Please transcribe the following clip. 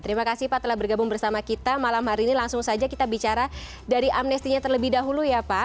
terima kasih pak telah bergabung bersama kita malam hari ini langsung saja kita bicara dari amnestinya terlebih dahulu ya pak